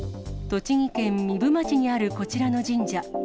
栃木県壬生町にあるこちらの神社。